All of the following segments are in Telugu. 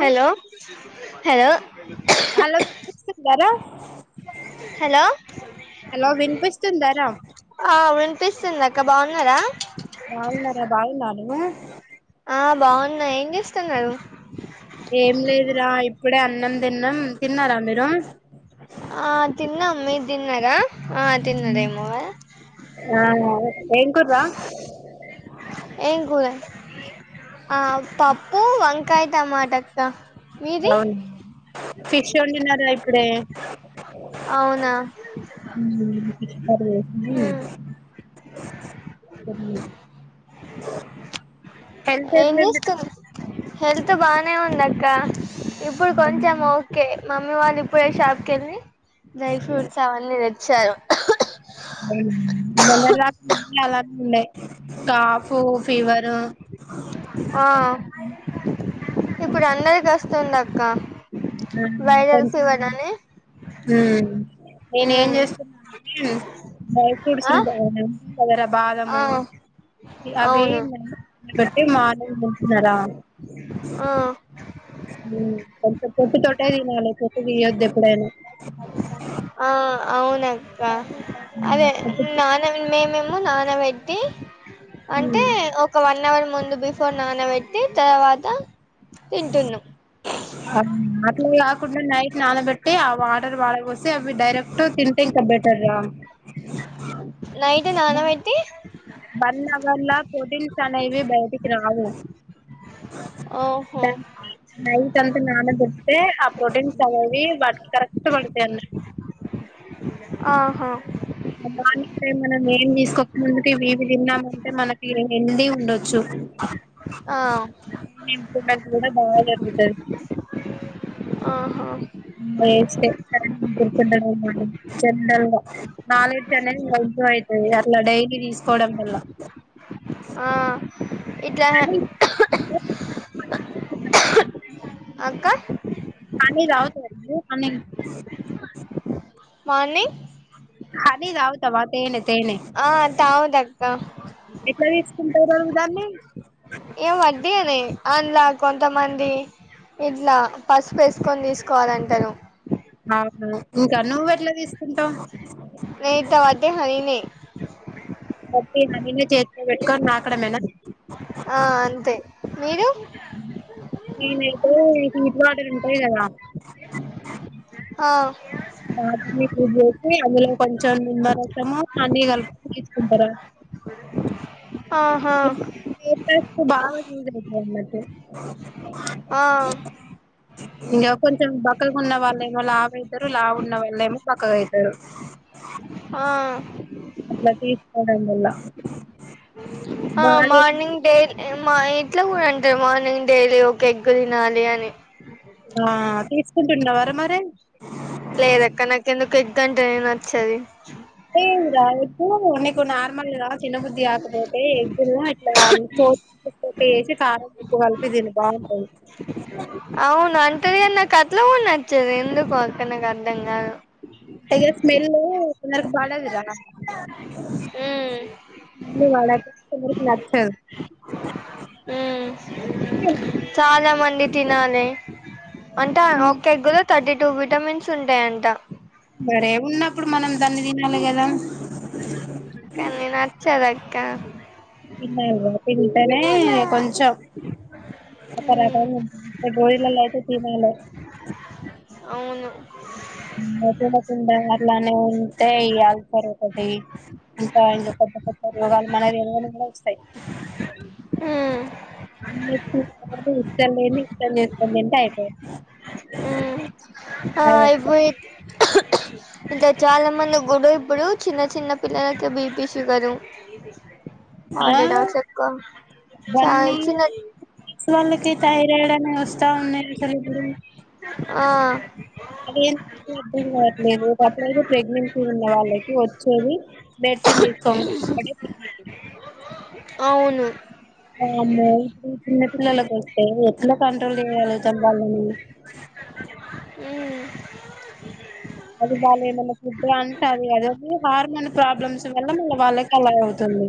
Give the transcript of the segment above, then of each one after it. హలో హలో హలో వినిపిస్తుందరా హలో హలో వినిపిస్తుందరా అక్కా బాగున్నారా బాగున్నారా బాగున్నా నువ ఆ బాగున్నా ఏం చేస్తున్నారు ఏం లేదురా ఇప్పుడే అన్నం తిన్నం తిన్నారా మీరు ఆ తిన్నాం మీరు తిన్నారా ఆ తిన్నారేమో కదా ఆ ఏం కుర్రా వో పప్పు వం కాయతమాట అక్క మీది అవునా ఫిష్ వడిన్నార ఇప్పుడే అవునా ఉమ్ ఫ ఏం ఎట్లుందిరా చేస్తూరు హెల్త్ బానే ఉంది అక్క ఇప్పుడు కొంచం ఓకే మమ్మీ వాళ్ళు ఇప్పుడే షాప్ కి వెళ్లి డ్రై ఫ్రూట్స్ అవన్నీ తెత్త చారు మొన్నలా అలానే ఉన్నాయి కాఫ్ ఫీవర్ ఆ ఇప్పుడు అందరికి వస్తుంది అక్క వైరల్ మ్మ్ ఫీవర్ అని నేను ఏం ఉమ్ చేస్తున్నా అంటే బయ కూర్చుా ఆ పదర ఆ బాధము అవి అవును బట్టి మాలుంటున్నారా ఆ కొంచెం పొట్టు తొట్టే తినాలి పోట్టు తీయొద్దు ఎప్పుడైనా అక్కా హ్మ్. అదే పొట్టు నాన్న మేమేం నా నబెట్టి అంటే హ్మ్. ఒక వన్ అవర్ ముందు రడు బిఫోర్ నానబెట్టి తర్వాత తింటున్నాం మ్మ్ అట్లా కుండా నైట్ నానబెట్టి ఆ వాటర్ పారబోసి అ డైరెక్ట్ తింటే ఇంకా బెటర్ రా నైట్ నానబెట్టి వన్ హవర్ లా ప్రోటీన్స్ అనేవి బయటికి రా అవును ఓహో కన్ నైట్ అంతా నాన పెడితే ఆ ప్రోటీన్స్ అవేవి వాటికి కరెక్ట్ పడుతాయన్నట్టు. ఆహా మ మార్నింగ్ టైం మనం ఏం తీసుకోక ముందుకే విది విన్నా మంటే మన ఫీలింగ్ హెల్తీ ఉండొచ్చు. ఆ [unintelligible] కూడా బా జరుగుతది ఆహా ఉమ్ ఏస్ [inaudible] జనరల్ గా [inaudible] అట్లా డైలీ తీసుకోవడం వల్ల ఆ ఇట్లా కానీ అక్క కానీ రావు [inaudible] మార్నింగ్ హనీ తాగుతవా తేనె తేనె ఆ తాగుదక్క దాన్ని ఏం వడ్డీ అనే అందులా కొంతమంది ఇట్లా పసుపేసుకొని తీసుకోవాలంటారు అవును ఇంకా నువ్వు ఎట్లా తీసుకుంటావు నయ్యి తో వాటి హనీ నే బట్టి హనీ ను చేతిలో పెట్టుకోని నాకడమేనా ఆ అంతే మీరు నేనైతే హీట్ వాటర్ ఉంటది కదా ఆ అ మీకు [unintelligible] చందరుతాము అన్న కలిప దార ఆహా బాయి [inaudible] ఆ ఇంకా కొంచెం బక్కలుకున్న వాళ్ళ ఏమళ ఆవత లా ఉన్న వాళ్ళ ఏమో పక్కగా అవుతారు ఆ అలా దేశ [inaudible] ఆ మార్నింగ్ డైలీ మా ఇట్లా కూడా అంటారు మార్నింగ్ డైలీ ఒక ఎగ్ తినాలి అని ఆ తీసుకుంటున్నవరా మరి లేదక్క నాకు ఎందుకో ఎగ్ అంటే నే నచ్చదు ఏ రా ఇప్పుడు నీకు నార్మల్ గా తినబుద్ది కాకపోతే ఎగ్గులు ఇట్లా చో పేజ్ కారణం ఉప్పు కలిపి దీన్ని బాగుంటుంది అవును అంటది [unintelligible] నచ్చదు ఎందుకు అక్క నాకు అర్థం గాదు తెగ స్మెల్లు ఇది నాకు పడదు రా ఉమ్ ముందు వాళ్ళ కెవరికి నచ్చదు అ హ్మ్ చాలా మం లి తినాలి అంటే ఆ హ్మ్. ఒక్క ఎగ్ లో థర్టీ టు విటమిన్స్ ఉంటాయంట మరే ఉన్నప్పుడు మనం దాన్ని తినాలి గదా కానీ నచ్చదా క [unintelligible] [unintelligible] అవును [unintelligible] ఇట్లానే ఉంటే ఎల్తారు ఒకటి ఇంకా ఇం కొత్త కొత్త రోగాలు మనకి తెల్వనివి కూడా వస్తాయి ఉమ్ [unintelligible] ఇష్టం లేని ఇష్టం చేసుకోడి ఏంటే అయిపోంది ఉమ్ ఆ అయిపోయిద్ ఇంకా చాలా మంది గుడు ఇప్పుడు చిన్న చిన్న పిల్లలకి బీపి షుగరు ఆ ఆడ డాగ్స్ ఎక్కువ చాలా చిన్నది [unintelligible] తాయి [unintelligible] వస్తా ఉన్నాయి అసలు ఇప్పుడు ఆ అదేంటో అసలు అర్థం కావట్లేదు అప్పుడతే ప్రగ్నెం ఉన్న వాళ్ళకి వచ్చేది మెడిసిన్ తీసుకో అవును [unintelligible] చిన్న పిల్లలకు వస్తే ఎట్లా కంట్రోల్ చేయాలో చంపాలని ఉమ్ అది వాళ్ళు ఏమైనా ఫుడ్ అంటది అదది హార్మోన్ ప్రాబ్లమ్స్ వల్ల మళ్ళ వాళ్ళకి అలా అవుతుంది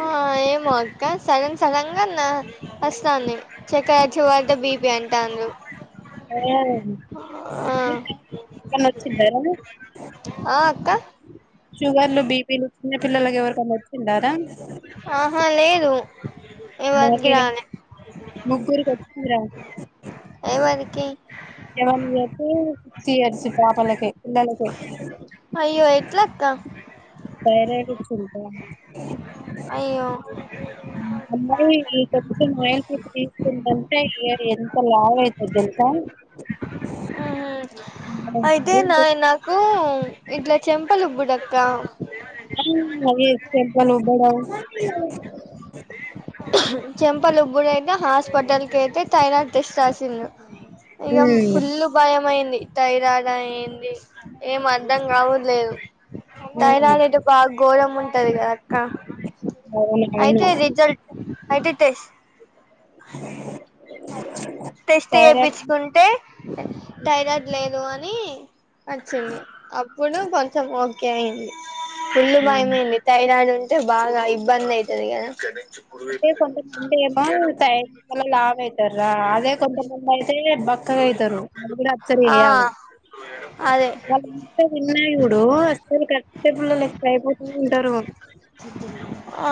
ఆ ఏమో అక్క సడన్ సడంగా వస్తంది చక్కర ఒచ్చివడ్డ బీపి అంటారు ఆ వచ్చిదా రిజల్ట్ ఒచ్చిందార మరి ఆ అక్క షుగర్లు బిపీలు చిన్న పిల్లలకి ఎవరికన్నా వచ్చిందా రా ఆహా లేదు ఎవరికి రాలే ముగ్గురుకొచ్చిందిర ఏవరికి సీ అర్షి పాపలకే అయ్యో ఎట్లాక్క థైరాయిడ్ ఒచ్చింది రా అయ్యో అమ్మాయి ఈ కొంచెం వైన్ చుక్క తీసుకుందంటే ఇయర్ ఎంత లావు అయిందో తెలుసా ఉహు ఆ అయితే నాయి నాకు ఇట్లా చెం పలుబ్బుడు అక్క అవే చెంప్పలూబడ్డం చెంపలుబ్బుడు అయితే హాస్పిటల్కైతే థైరాయిడ్ టెస్ట్ రాసిల్లూ ఇగ ఉమ్ ఫుల్ భయం అయింది ఇ థైరాయిడా ఏంది ఏం అర్ధం కావుడులేదు ఉమ్ థైరాయిడ్ అయితే బాగు ఘోరం ఉంటుంది కదా అక్క అవును అవును అయితే రిజల్ట్ అయితే టెస్ట్ [inaudible] టెస్ట్ థైరాయిడ్ చెప్పించుకుంటే థైరాయిడ్ లేదు అని నీ వచ్చంది అప్పుడు కొంచెం ఓ ఓకే అయింది ఫుళ్ళు హ్మ్ భయమయింది థైరాయిడంట్ టె బాగా ఇబ్బంది అయితదిగదా అంటే కొంత మంది ఏమో థైరాయిడ్ వల్ల లావు అయితరు అదే కొంతమంది అయితే బక్కగా అయితరు అది కూడా అబ్జర్వ్ చేయాలి ఆ అదే వాళ్ళెంత తిన్నా చూడు అసలు కట్టే పుల్ల లెక్క అయిపోతుంటరూ ఆ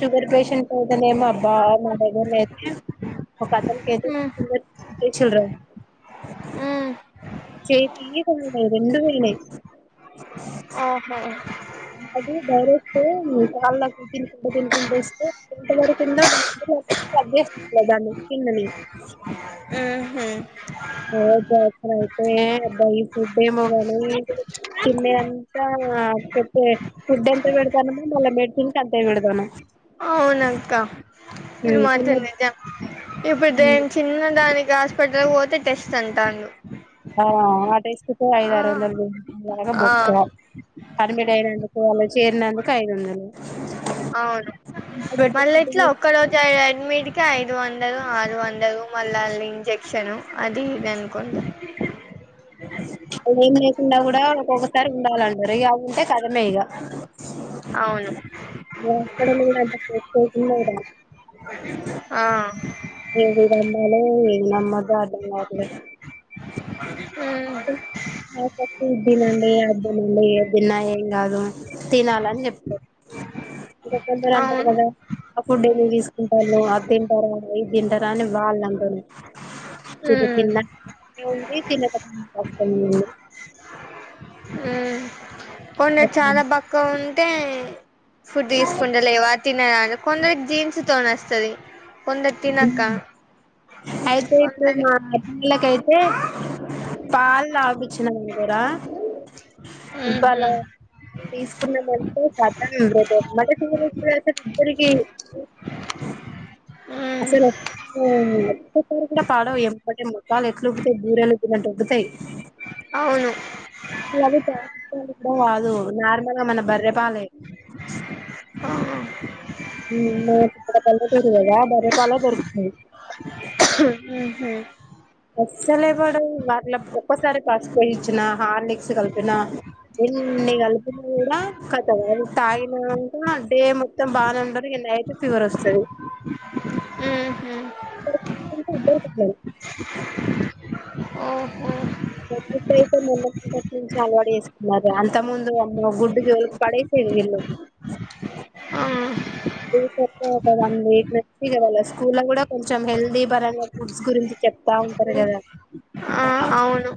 షుగర్ పేషంట్ అయితేనేమో అబ్బా మా దగ్గర అయితే ఒక అతనికయితే మ్మ్ [unintelligible] మ్మ్ చెయ్యి రెండు వోయినయి ఓహో [inaudible] అది డైరెక్ట్ కాళ్ళకు తినుకుంట తినుకుంట ఇస్తే ఎంట పడకుండా డైక్ ఎస్ అగే లేద ముష్కిల్లని మ్హు ఓస అయితే అబ్బాయి ఫుడ్ ఏమో కానీ తిన్నయి అంతా పెతే ఫుడ్ ఎంతా పెడతానమొ మళ్ళా మెడ్సిన్కి అంతే పెడతానం అవునక్క ఇది మాత్రం తినే నిజం ఇప్పుడు దేం చిన్న దాని హస్ పటల్ పోతే టెస్ట్ అంటాలు ఆ ఆ టెస్ట్ ఒక ఐదు ఆరు వందల దాకా ఆ బొక్క అడ్మిట్ అయినందుకు అల చేరినందుకు ఐదొందలు అవును మళ్ళ ఇట్లా ఒక్కరోజు అడ్మిట్ కే ఐదు వందలు ఆరు వందలు మళ్ళ ఆళ్ళ ఇంజక్షను అది ఇది అనుకుంట అదేం లేదు ఉండ కూడా ఒక్కొక్కసారి ఉండాలంటారు ఇక ఉంటే కథమే ఇక అవును ఇప్పుడు హాస్పిటల్ కూడా అంత ప్లస్ అయితున్నదిర ఆ ఉమ్ ఏది నమ్మాలో ఏది నమ్మధో అర్థం కావట్లేదు డాటర్స్ ఇద్దినండి అద్దినండి ఏదిన ఇంగ అదో తినాలని చెప్పారు ఇక కొందరు అంటారు అవును కదా ఆ ఫుడ్ ఏమి తీసుకుంటనవ్ అది తింటరా ఇది తింటారా అని వాళ్ళంటరు ఇది ఉమ్ తిన్న అట్లనే ఉంది తినక ముందు అట్లనే ఉంది ఆ కొందర్ ఏముంది చాలా బక్కా ఉంటే ఫుడ్ తీసుకుంట లేవా తిన్నగాని కొందరికి జీన్స్ తోని వస్తది కొందరు తినక అయితే ఇప్పుడు కొందరి మా అన్నల కైతే ఎ పాలు తాగుపిచ్చిన మను కోరా ఉహు ఇవాళ పాలు తీసుకున్నామంటే కతం రేపు ఎంబటే ఫీవర్ అసలు ఉరికి ఉమ్ అసలు ఒక ఒక్కసారి కూడా పడవు ఎంబాటే మొఖాలు ఎట్ల ఉబ్బుతాయి బూరెలు ఉబ్బిన్నట్ ఉబ్బుతాయి అవును ఇలావి తయారు చేసినవి కూడా కాదు నార్మల్గా మన బర్రెపాలే ఆ, ఉ మన కిక్కడ పల్లెటూరు కదా బర్రె పాలే దొరుకుతాయి ఉహు అస్సలే పడవు వాట్ల ఒక్కసారి పసుపోయి ఇచ్చిన హార్నిక్స్ కలిపిన ఎన్ని కలిపినా కూడా కథం అవి తాగినంక డే మొత్తం బానే ఉండారు నైట్ ఫీవర్ వస్తుది ఉహు [unintelligible] ఇద్దరికి అట్లే అయితది ఓహో ట్ అయితే మొన్నటి నుంచి అలవాటు చేసుకున్నార అంత ముందు అమ్మ గుడ్డు జోలుకి పడేసేది వీళ్ళు ఆ రీసెట్ గా ఒక వన్ వీక్ నుంచి స్కూల్ కూడా కొంచెం హెల్దీ పరగా ఫుడ్స్ గురించి చెప్తా ఉంటారు కదా. ఆ అవును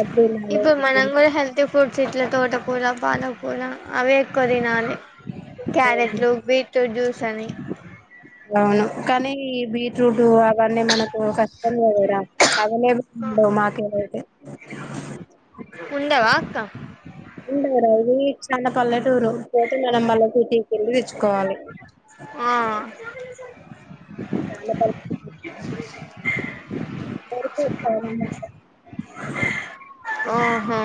అదీ తినాలి ఇప్పుడు ఇదే మనం తినాలి. కూడా హెల్తీ ఫుడ్స్ ఇట్లా తోటకూర పాలకూర అవే ఎక్కువ తినాలి. తినాలి క్యారెట్లు బీట్రూట్ జ్యూస్ సని అవును కానీ ఈ బీట్రూట్ అవన్నీ మనకు కష్టం లేదు. అవిలేవు మాకయితే ఉండవా అక్క ఉండవు రా స్వీట్స్ న్నా కల్లే టూరు మనం మళ్ళ సిటీకెళ్ళి తెచ్చుకోవాలి. ఆ [unintelligible] బరువు ప అ ఓహో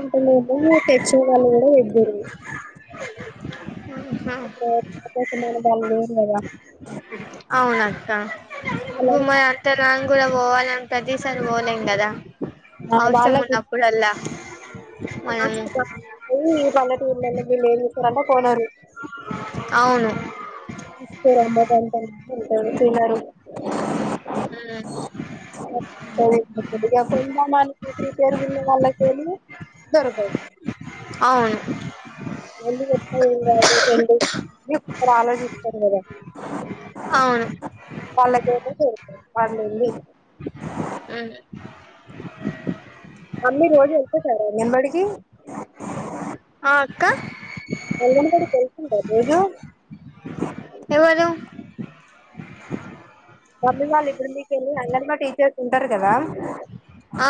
ఉంటున్నాయేమో తెచ్చే వాళ్ళు కూడా ఇద్దరి వీ ఆహా ఇప్పుడు మ బద [unintelligible] అవును అక్క ఇపుడు మా అత్త రూమ్ కూడా పోవాలంటది. ఈసారి పోలేము కదా అవసరం ఉన్నప్పుడల్లా మనము ఫాస్ట్ గా ఛీ పల్లెటూర్లళ్ళో విలేజెస్ లలో కొనారు అవును ఇస్తే అమ్మ కొ తినరు మ్మ్ పేరుగున్న వాళ్ళకేమో దొరకవు అవును మళ్ళీ చెప్తా టెన్ డేస్ఇప్పుడు ఆలోచిస్తారు కదా అవును వాళ్ళకేమో పెడతాది పండింది ఉమ్ మమ్మీ రోజు వెళ్త సారా నింబడికి ఆ అక్క అంగన్ బడికి వెళ్తుంటారా రోజా ఆ మమ్మీ వాళ్ళు ఇప్పుడు మీకే అంగన్వాడీ టీచర్స్ ఉంటారు కదా. ఆ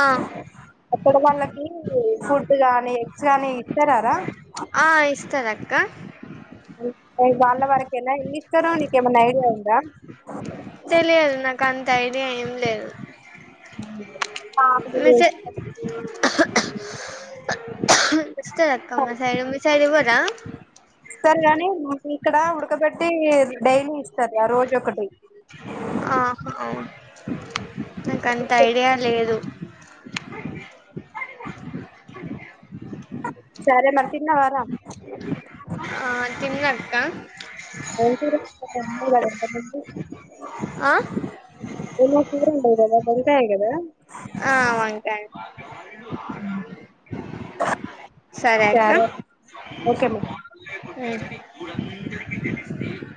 అక్కడ వాళ్ళకి ఫుడ్ కాన్ నీ ఆ ఇస్తార అక్క అవు మీకు గాండ్ల వాడికి ఎన్ని మి ఇస్తారు నీకేమన్నా ఐడియా ఉందా [inaudible] తెలియదు నాక్ అంత ఐడియా ఏం లేదు అ మేసే ఇస్తారు అక్క మా సైడ్ మీ సైడ ఇవ్వ ఆ ఇస్తారు గాని ఇక్కడ ఉడకబె అతే డైలీ ఇస్తారు ఆ రోజు ఒకటి [inaudible] నాకంత ఐడియా లేదు [inaudible] సరే మరి తిన్నావారా ఆ తిన్నాక్క ఏంటిది చెప్పం [inaudible] ఆ ఏమోకూర అంటారు కదా వంకాయ కదా ఆ వంకాయ్ సరే అక్క ఓకే మరి [inaudible]